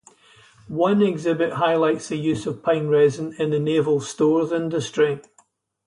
One exhibit highlights the use of pine resin in the naval stores industry.